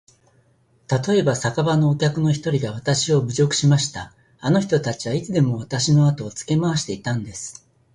たとえば、酒場のお客の一人がわたしを侮辱しました。あの人たちはいつでもわたしのあとをつけ廻していたんです。